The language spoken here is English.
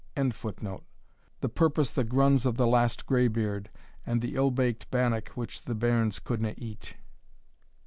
] the purpose the grunds of the last greybeard, and the ill baked bannock which the bairns couldna eat."